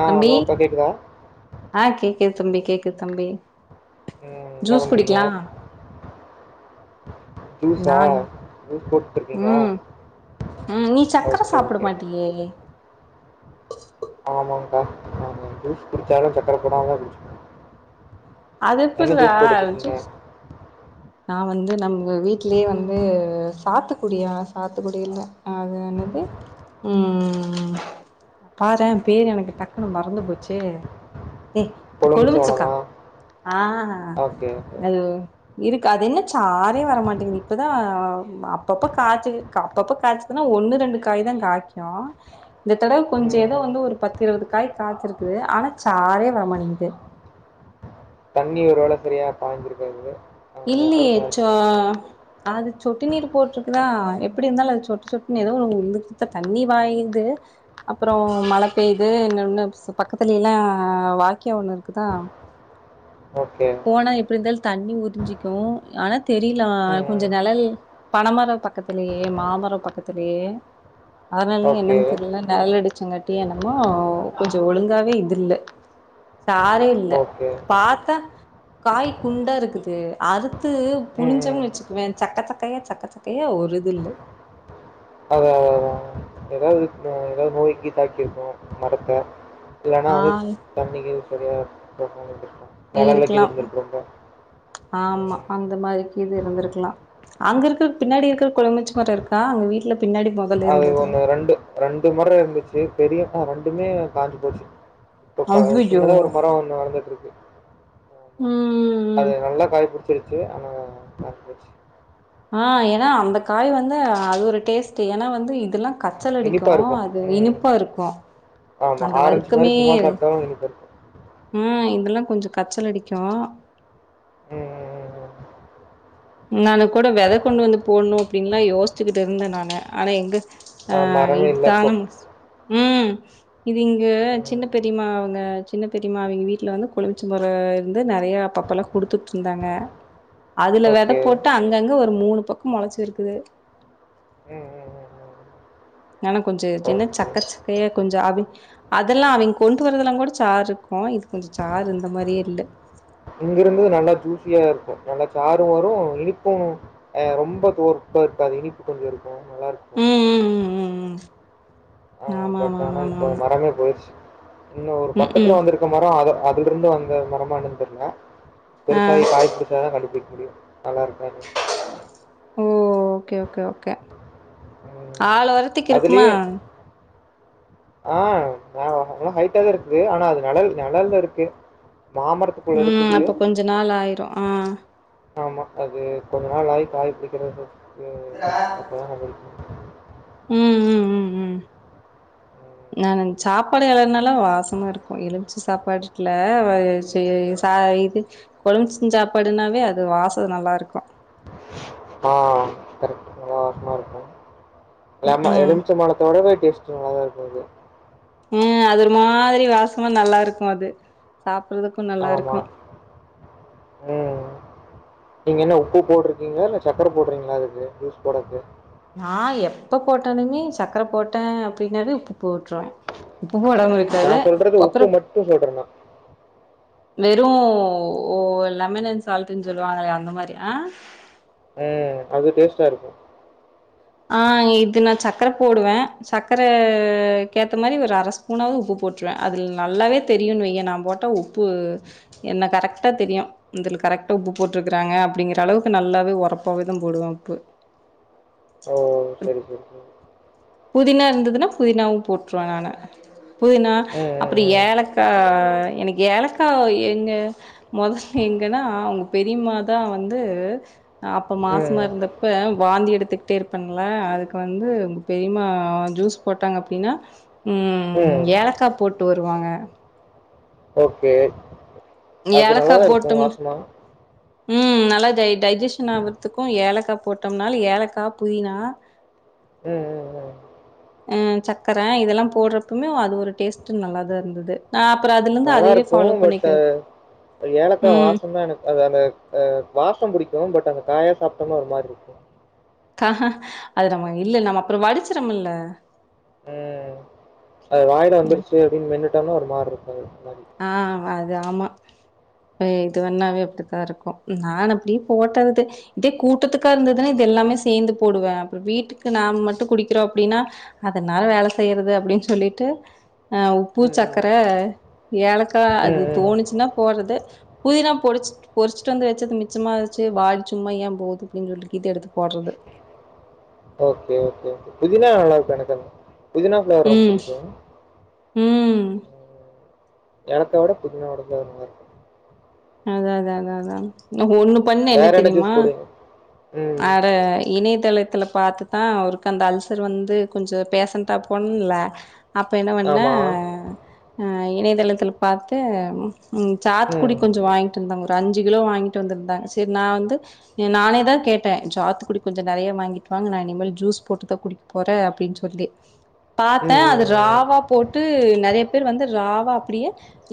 ஆ தம்பி ஹலோ அக்கா கேக்குதா ஆ கேக்குது தம்பி கேக்குது தம்பி ம் என்ன ஜூஸ் பண்றீங்க குடிக்கலா ஜூஸா நானா ஜூஸ் போட்டுட்டு இருக்கீங்ளா ம் ம் நீ சக்கர சாப்பட மாட்டியே ஆமாக்கா ஆமா ஜூஸ் குடிச்சாலு சக்கர போடாம தா குடிச்சுப்பே அது என்ன எப்புட்றா ஜூஸ் போட்டு வச்சிருக்கீங்க ஜூஸ் நா வந்து நம்ம வீட்லயே வந்து சாத்து குடியா சாத்து குடி இல்ல அது ன்னது ம் பாரே பேரு எனக்கு டக்குன்னு மறந்து போச்சு ஏ கொழுமிச்சக்கா எலுமிச்சம்பழமா? ஆ ஓகே, ஓகே. அது இருக்கு அது என்ன சாரே வரமாட்டேங்குது இப்பதான் அப்பப்ப காய்ச்சுது அப்பப்ப காய்சு னா ஒன்னு ரெண்டு காய் தான் காய்க்கு இந்த தடவ கொஞ்சொ ம், எதோ ம். வந்து ஒரு பத்து இருபது காய் காச்சிருக்குது ஆனா சாரே வர மாட்டேங்குது தண்ணி ஒருவேல சரியா பாஞ்சிருக்காது இல்லையே சோ அது சொட்டு நீர் போட்ருக்குதா எப்படி இருந்தாலும் அது சொட்டு சொட்டு நீர் எதோ ம். உ உந்து தண்ணி பாயுது அப்பறொ மழை பெய்து என்ன ஒண்ணு பக்கத்துல எல்லா வாய்க்கா ஒண்ணு இருக்குதா ஓகே போனா எப்டி இருந்தாலு தண்ணி உரிஞ்சிக்கு ஆனா தெரில ம், கொஞ்ச ம். நெழல் பனமர பக்கத்திலயே மாமர பக்கத்திலயே அதனாலயா ஓகே, என்னன்னு தெரில நெழல் அடிச்சங்கட்டி என்னம்மோ கொஞ்ச ஒழுங்காவே இதில்ல சாரே இல் ஓகே. பாத்தா காய் குண்டா இருக்குது இது அறுத்து ம், புழிஞ்சம்னு ம். வச்சுக்கவே சக்க சக்கையா சக்க சக்கையா ஒரு இது இல்ல அதா அதா எதாவது ஆ எதாவது நோய் கீய் தாக்கிருக்கு மரத்த இல்லன்னா ஆ வந்து தண்ணிக்கு சரியா [unintelligible] இருக்கலாம் ஆமா ம், அந்த மாரி கீழ இருந்தருக்கலாம் அங்க இருக்க பின்னாடி இருக்கிற எலுமிச்ச மர இருக்கா அங்க வீட்டுல பின்னாடி முதல அது இருந்தது ஒன்று ரெண்டு ரெண்டு மர இருந்துச்சு பெரிய ரெண்டுமே காஞ்சி போச்சி இப்ப அய்யய்யோ சின்னதா ஒரு மர ஒன்னு வளந்துட்டு இருக்கு ஆமா ம் அது நல்லா காய் புடிச்சி ச்சு ஆனா காஞ்சுப்போச்சி ஆ ஏன்னா அந்த காய் வந்து அது ஒரு டேஸ்ட் ஏன்னா வந்து இதல்லா கச்சல் அடிக்கு இனிப்பாக இருக்கும் அது ம் இனிப்பா இருக்கு ஆமாம் அந்த ஆரஞ்சு மாதிரி வருக்கமே சும்மா சாப்பிட்டாலும் இனிப்பாக இருக்கும் ம் இதல்லா கொஞ்ச கச்சல் அடிக்கு ம், ம், ம், ம். முன்னால கூட வெத கொண்டு வந்து போடுணு அப்படின்னுலா யோசிச்சுகிட்டு இருந்த நானு ஆனா எங்க ஆ அது மரமே இல்லை இப்போ இதுதான மோஸ் ம் இது இங்க ஓகே ம் சின்ன பெரிமா அவங்க சின்ன பெரிமா அவங்க வீட்ல வந்து எலும்பிச்ச மர இருந்து நெறய அப்பபெல்லா கொடுத்துட்டுருந்தாங்க [inaudible] அதுல வெத ஓகே. போட்டு அங்கங்க ஒரு மூணு பக்கம் முளச்சிருக்குது [unintelligible] ஆனா கொஞ்ச என்ன ஓகே. சக்க சக்கையா கொஞ்ச ஆவி அதெல்லா அவிங் கொண்டு வரதெல்லாங்கூட சார் இருக்கு இது கொஞ்ச சார் இருந்த மாறியே இல்ல இங்கிருந்து நல்லா ஜூஸியா இருக்கு நல்லா சாறு வரு இனிப்பு ஆ ரொம்ப துவர்ப்பா இருக்காது இனிப்பு கொஞ்சொ இருக்கு நல்லாருக்கு ம் ம் ம் ம் ம் ஆ ஆமா ஆமா ஆமா ஆமா ஆமா மரமே போயிருச்சு இன்னு ஒரு ம் பக்கத்துல ம் வந்திருக்க மரம் அத அதுலிருந்து வந்த மரமா என்னனு தெர்ல ஆ பெருசாயி காய் புடிச்சாதா கண்டுப்புடிக்க முடியு நல்லா இருக்கா என்னானு ஓ ஓகே ஓகே ஓகே ம். ஆள் உரத்துக்கு இருக்குமா அதுலயே ஆ ஆ நல்ல ஹைட்டாவே இருக்கு ஆனா அது நழல் நழல இருக்கு மாம ம் அப்ப கொஞ்ச நாள் ஆயிடு ஆ ஆமா அது கொஞ்ச நாள் ஆயி காய் புடிக்குற அப்ப தா ம் ம் ம் ம் உம் நாங் சாப்பாடு ஏதா இருந்தாலு வாசமா இருக்கு எலுமிச்ச சாப்பாடு இருக்குல்ல சேரி ஆ இது கொழம்பச்ச சாப்பாடுனாவே அது வாசன நல்லா இருக்கு ஆ கரெக்டு நல்ல வாசமா இருக்கு ம் ஆமா ம் எலுமிச்ச பழத்தோடவே டேஸ்ட் நல்லாதா இருக்கு இது ம் அதுமாரி வாசமா நல்லா இருக்கு அது சாப்றதுக்கு நல்லா ஆமா இருக்கு ம் நீங்க என்ன உப்பு போட்டுருக்கீங்களா இல்ல சக்கர போடுறீங்களா அதுக்கு ஜூஸ் போடறக்கு நா எப்ப போட்டாலுமே சக்கர போட்ட அப்படின்னாவே உப்பு போட்டுருவ உப்பு போடாம இருக்காது நான் சொல்றது உப்பு அப்றோ மட்டும் சொல்றேன் நான் வெறு ஓ லெமன் அண் சால்ட்னு சொல்லுவாங்களே அந்த மாரி ஆ ஆ அது டேஸ்ட்டா இருக்கு ஆ இது நா சக்கர போடுவே சக்கரக்கேத்த மாரி ஒரு அர ஸ்பு உணவு உப்பு போட்டுருவ அதில் நல்லாவே தெரியுனுவையென் நா போட்டா உப்பு என்ன கரெக்டா தெரியு இதுல கரெக்டா உப்பு போட்டிருக்கிறாங்க அப்டிங்கிற அளவுக்கு நல்லாவே உரப்பாவே தா போடுவ உப்பு ஓ செரி செரி புதினா இருந்துன்னா புதினாவு போட்டுருவ நானு புதினா அப்றோ ம் ம் ஏலக் ஆ எனக்கு ஏலக்கா எங்க மொத எங்கன்னா அவங்க பெரிமாதா வந்து அப்ப மாசமா ம் இருந்தப்ப வாந்தி எடுத்துக்கிட்டே இருப்பன்ல அதுக்கு வந்து பெரிமா ஜூஸ் போட்டாங்க அப்டின்னா ம் ஏலக்கா போட்டு வருவாங்க ஓகே அது ஏலக்கா நல்லதா இருக்கு போட்டோம் வாசமா ம் நல்லா டை டைஜஷன் ஆகுறதுக்கு ஏலக்கா போட்டோம்னா ஏலக்கா புதினா ம் ம் ம் ம் சக்கர இதெல்லா போடுறப்பமே அது ஒரு டேஸ்ட்டு நல்லாதா இருந்தது நா அப்றோ அதுல நல்லா இருக்கு பட் ஏலக்கா ம் வாசோதா எனக்கு அது அந்த அ வாசோ பிடிக்கு பட் அந்த காயா சாப்பிட்டோம்னா ஒரு மாரி இருக்கு கா அது நம்ம இல்ல நம் அப்றோ வடிச்சறோம்ல ம் அது வாயில ம் வந்துருச்சு அப்டின்னு மென்னுட்டோனா ஒரு மாறி இருப் ஆ அது ஆமா இது வேண்ணாவே அப்டித்தா இருக்கு நா அப்டியே போட்டறது இதே கூட்டத்துக்கா இருந்ததுன்னே இது எல்லாமே சேர்ந்து போடுவே அப்றோ வீட்டுக்கு நாம மட்டு குடிக்கிறோ அப்டின்னா அதனால வேல செய்யறது அப்டின்னு சொல்லிட்டு உப்பு ம். ம், சக்கர ம். ஏலக்கா அது ம், ம். தோணுச்சுன்னா போட்றது புதினா போடுச்சு பொறிச்சிட்டு வந்து வச்சது மிச்சமா ஆச்சு வா சும்மா ஏ போது ப்படின்னு சொல்லி கிட்டு எடுத்து போடுறது ஓகே ஓகே ஒகே புதினா [unintelligible] புதினா பிளேவர் ரொம்ப ம் பிடிக்கு ம் ஏலக்கா வோட புதினாவோட ஃபிளேவர் நல்லா இருக்கு அதா அதா அதா அதா ஒண்ணு பண்ணே என்ன வேற தெரியுமா ஜூஸ் போடுவீங்க? ம். அற இணையதளத்துல பாத்துதா அவருக்கு அந்த அல்சர் வந்து கொஞ்ச பேசண்டா போணுல்ல அப்போ என்ன பண்ணே ஆமா. இணையதளத்தில பாத்து சாத்து குடி ம். வாங்கிட்டு வந்தாங்க ஒரு அஞ்சு கிலோ வாங்கிட்டு வந்திருந்தாங்க செரி நா வந்து நானே தா கேட்டே ஜாத்துக்குடி கொஞ்சோ நெறைய வாங்கிட்டு வாங்க நா இனிமேல் ஜூஸ் போட்டுதா குடிக்க போறே அப்டின்னு சொல்லி [inaudible] பாத்த ம், ம், அது ம், ம். ராவா போட்டு நெறைய பேர் வந்து ராவா அப்பிடியே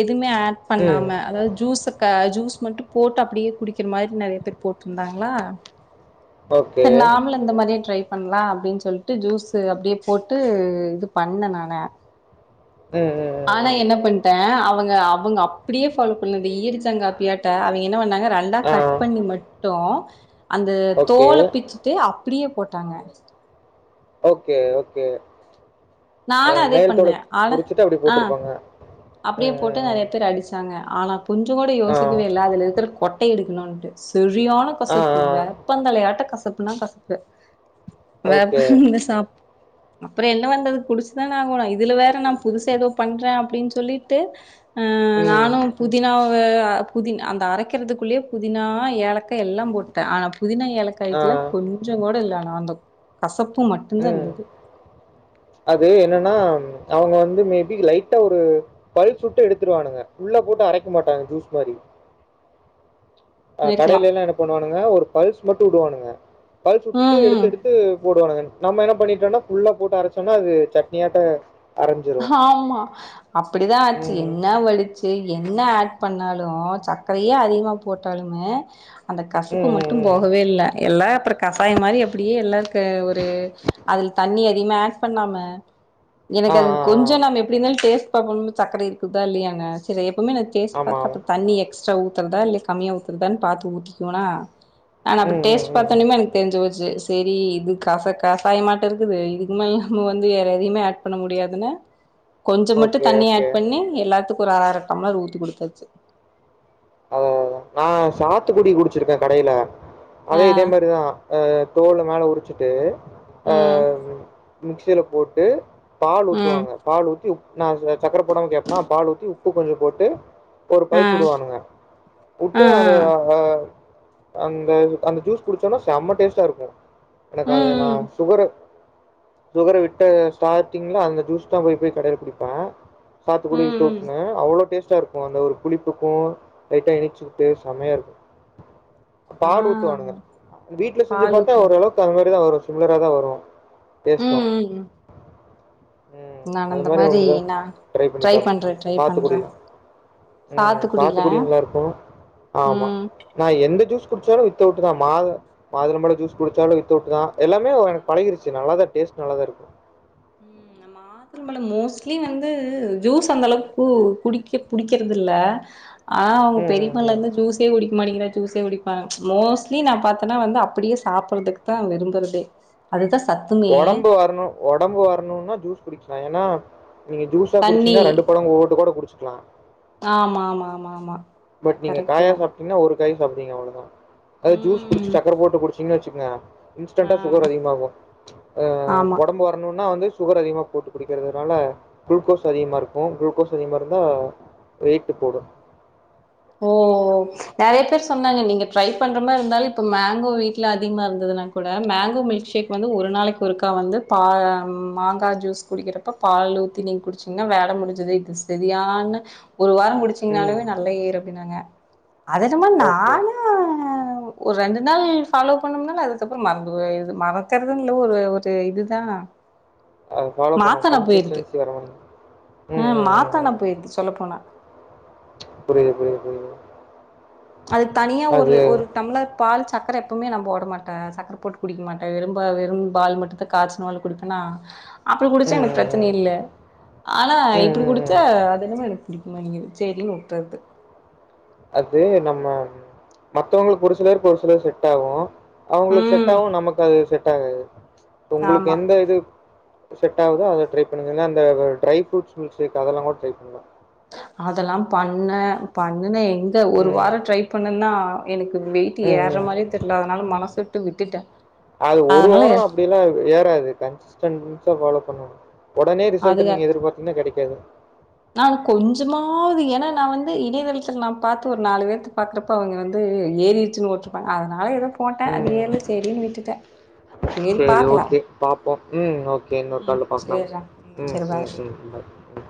எதுமே ஆட் ம். பண்ணாம அதாது ஜூஸ் க ஜூஸ் மட்டு போட்டு அப்டியே குடிக்கிற மாரி நெறைய பேர் போட்டிருந்தாங்களா ஓகே. சரி நாமளு இந்த மாரியே ட்ரை பண்ணலா அப்டின் சொல்லிட்டு ஜூஸ்ஸு அப்டியே போட்டு இது பண்ணே நானு ம் ம் ஆனா ம். என்ன பண்ட்டே அவ்ங்க அவ்ங்க அப்டியே ஃபாலோ இந்த ஈயடிச்சாங் காப்பியாட்ட அவங்க என்ன பண்ணாங்க ரெண்டா ஆ. கட் பண்ணி மட்டு அந்த ஓகே. தோல பிச்சுட்டு அப்பிடியே போட்டாங்க ஓகே ஓகே அ நானு அதே மேல்தோட பண்ணே ஆனா உறிச்சுட்டு அப்டி ஆ போட்டுருப்பாங்க அப்டியே ம், போட்டு ம், ம். நெறைய பேர் அடிச்சாங்க ஆனா கொஞ்சங் கூட ஆ. யோசிக்கவே இல்ல அதுல இருக்க கொட்ட எடுக்கணுண்டு செரியான ஆ, கசப்பு ஆ. வே ப்பந்தளையாட்ட கசப்புனா கசப்பு ஓகே. வேப்பந்த சாப் அப்புற என்ன வந்தது குடிச்சுதான் ஆகணு இதுல வேற நா புதுசா ஏதோ பண்றேன் அப்டின் சொல்லிட்டு ஆ ம். நானும் புதினாவ அ புதின அந்த அரைக்கிறதுக்குள்ளேயே புதினா ஏலக்கா எல்லா போட்டே ஆனா புதினா ஏலக் காய்க்லா ஆ. கொஞ்சங் கூட இல்ல ஆனா அந்த கசப்பு மட் ம் அது என்னன்னா அவ்ங்க வந்து மேபி லைட்டா ஒரு பல்ஸ்வுட்டு எடுத்துருவானுங்க புள்ளா போட்டு அரைக்க மாட்டாங்க ஜூஸ் மாரி ஆ இருக்கலாம் கடையிலொல்லா என்ன பண்ணுவானுங்க ஒரு பல்ஸ் மட்டும் வுடுவானுங்க பல்ஸ் வுட்டுட்டு உம் உம் எடுத்து எடுத்து போடுவானுங்க நம்ம என்ன பண்ணிட்டோன்னா ஃபுல்லா போட்டு அரைச்சோன்னா அது சட்னியாட்ட அரைஞ்சிரும். ஆமா அப்டிதா ஆச்சி ம். என்ன வலிச்சு என்ன ஆட் பண்ணாலு சர்க்கரையே அதிகமா போட்டாலுமே அந்த கசப்பு ம், ம், மட்டு ம். போகவே இல்ல எல்லா அப்புறம் கசாயம் மாரி அப்டியே எல்லாருக்கு ஒரு அதுல் தண்ணி அதிகமாஆட் பண்ணாம ஆ, எனக் அது ஆ, ஆ. கொஞ்ச நாம எப்டி இருந்தாலு டேஸ்ட் பண்ணு சர்க்கரை இருக்குதா இல்லையானு சேரி எப்பமே நானு டேஸ்ட் ஆமா, ஆமா. பாத்து தண்ணி எக்ஸ்ட்ரா ஊத்துறதா இல்ல கம்மியா ஊத்துறதா பாத்து ஊத்திக்குவனா நான் அப்ப ம், ம், டேஸ்ட் ம், ம். பாத்தொன்னுமே எனக் தெரிஞ்சு போச்சு சேரி இது கச கசாயமாட்ட இருக்குது இதுக்மேல் நம்ம வந்து வேற எதையமே ஆட் பண்ண முடியாதுன் கொஞ்ச மட்டும் ஓகே, தண்ணி ஓகே. ஆட் பண்ணி யெல்லாத்துக்கு ஒரு அற ற டம்ளர் ஊத்தி குடுத்தாச்சு அததா நா சாத்துக்குடி குடிச்சிருக்கே கடையில அதே ஆ இதே மாரிதா அ தோல் மேல உரிச்சிட்டு அ ம் மிக்சில போட்டு பால் ம் ஊத்துவாங்க பால் ஊத்தி உப் நா சக்கர போடமா கேப்பனா பால் ஊத்தி உப்பு கொஞ்சபோட்டு ஒரு ஆ பல்ஸா வுடுவானுங்க ஆ ஆ வுட்டு அத அ அந்த அந்த ஜூஸ் குடிச்சோனா செம்ம டேஸ்ட்டா இருக்கு ம் எனக்கு அது நா ம் சுகரு சுகர விட்ட ஸ்டார்டிங்ல அந்த ஜூஸ் தா போய் போயி கடையில குடிப்ப ம் சாத்துக்குடி ம் [unintelligible] அவ்ளோ டேஸ்ட்டா இருக்கு அந்த ஒரு புளிப்புக்கு லைட்டா இனிச்சூக்கிட்டு செமையாக இருக்கு ஆ பால் ஊத்துவானுங்க வீட்ல செஞ்சு பால் பார்த்தா ஊத்துறோ ஓரளவுக்கு அந் மாரிதா வரு சிம்லரா தா வரு டேஸ்ட்டு ம் ம் ம் நான் அது அந்த மாதிரி ஒரு மாரி தடவ நான் ட்ரை பண்ணி பாருங்க பண்றே ட்ரை பண்றே சாத்துக்குடில ம் சாத்துக்குடில சாத்துக்குடி நல்லா இருக்கு ஆமா ம் நா எந்த ஜூஸ் குடிச்சாலும் வித்தவுட் தா மாத மாதுளம்பழ ஜூஸ் குடிச்சாலு வி்த்தவுட்டு தா யெல்லாமே எனக்கு பழகிருச்சு நல்லாத டேஸ்ட் நல்லாதா இருக்கும் உம் அம்மா வாட்டர்மெலன் மோஸ்ட்லி வந்து ஜூஸ் அந்த அளவுக்கு குடிக்க புடிக்கறது இல்ல ஆ அவ ம், ம், பெரிப்பால ம். இருந்து ஜூஸ் ஏ குடிக்க மாட்டிங்றா ஜூசே குடிக்க மோஸ்ட்லி நா பாத்தனா வந்து அப்டியே சாப்டறதுக்கு விரும்புறதே அதுதா சத் உடம்பு வரணு உடம்பு வரணும்னா ஜூஸ் குடிக்கலா ஏன்னா நீங்க ஜூஸா தண்ணி குடிச்சீங்கனா ரெண்டு பழங்க ஒட்டு கூட குடிச்சுக்லா ஆமா ஆமா ஆமா ஆமா பட் நீங்க கரெக்ட்டு காயா தா சாப்டீங்க ஒரு காய் சாப்டுவிங்க அவ்ளோதா அது ஜூஸ் குடிச்சு ம் சக்கர போட்டு குடிச்சீங்க வெச்சுக்கங்க ஆ இன்ஸ்டன்ட்டா சுகர் அதிகமாகு ஆமா உடம்பு வரணுன்னா வந்து சுகர் அதிகமா போட்டு குடிக்கிறதுனால குளுக்கோஸ் அதிகமா இருக்கும் குளுகோஸ் அதிகமாக இருந்தா வெயிட்டு போடும் ஓ ஓ நெறைய பேர் சொன்னாங்க நீங்க ட்ரை பண்ற மாரி இருந்தாலு இப்ப மேங்கோ வீட்ல அதிகமா இருந்ததுனல கூட மேங்கோ மில்க் ஷேக் வந்து ஒரு நாளைக்கு ஒருக்கா வந்து மாங்காய் ஜூஸ் குடிக்கிறே இப்ப பால் ஊத்தி நீங் குடிச்சீங்கன்னா வேல முடிஞ்சது இது செரியான ஒரு வார குடிச்சிங்கனாலே ம் நல்ல ஏரு அப்டின்னாங் அதுயென்னம நானு [inaudible] ஒரு ரெண்டு நாள் ஃபாலோ பண்ணும்னால அதுக்கப்புற மறந்து போயிருது மறக்கறதுல்ல ஒரு ஒரு இதுதா அது ஃபாலோ பண்ணோ மாத்தானா போயிருது கன்சிஸ்டன்சி வர உம் உம் உம் பூரா போய்ருச்சு சொல்ல போனா புரிது புரிது புரிது அது தனியா ஒரு ஒரு டம்ளர் பால் சக்கர எப்பவுமே நா போடமாட்ட சக்கர போட்டு குடிக்க மாட்டே வெறும் வெறும் பால் மட்டும்தா காய்ச்சினாலு குடுப்பேனா அப்ப குடிச்சே ம் எனக்கு பிரச்சன ம் இல்லை ஆனா ம் ம் இப்டி ம் குடுத்து ம் [unintelligible] அது என்னாம எனக்கு பிடிக்கமாட்டிங்கது சேரின்னு விட்றது அது நம்ம மத்தவங்களுக்கு ஒரு சிலருக்கு ஒரு சிலர் செட் ஆகு அவுங்களுக்கு செட் ம் ஆகும் நமக்கு அது செட் ஆகாது இப்ப உங்களுக்கு ஆமா எந்த இது செட்டாவுதோ அத ட்ரை பண்ணுங்க இல்ல அந்த அ ட்ரை ஃப்ரூட்ஸ் மில்க் க்ஷேக் அதெல்லாம் கூட ட்ரை பண்ணுங்க அதெல்லாம் பண்ணே பண்ணுனே எங்க ஒரு ம் வாரம் ட்ரை பண்ணுன்னா எனக்கு வெயிட் ம் ஏர்ற ம் மாரியே தெர்ல அதனால மனசு விட்டு விட்டுட்டே அது ஒரு வாரோ அப்டி ஏறாது கன்சிடன்சா ஃபாலோ பண்ணணும் ஒடனே ரிசல்ட் நீங்க எதிர்பாத்திங்கன்னா கெடைக்காது நா கொஞ்சமாவது ஏன்னா நா வந்து இணையதளத்துல நா பாத்து ஒரு நாலு பேர்த்த பாக்குறப்ப இப்ப அவங்க வந்து ஏறிடுச்சுன்னு ஓட்ருப்பாங்க அதனால ஏதோ போட்டேன அது ம் ஏர்ல சேரின்னு விட்டுட்டே சேரி சரி பாக்கலா ஓகே பார்ப்போம் ம் ஓகே இன்னொரு உம் காலில் பார்க்கலாம் செர்ரா ம் சரி ம் பாரு ம் பாய் ம்